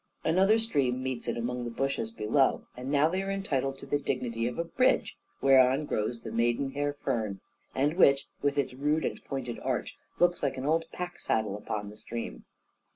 Another stream meets it among the bushes below, and now they are entitled to the dignity of a bridge whereon grows the maidenhair fern, and which, with its rude and pointed arch, looks like an old pack saddle upon the stream.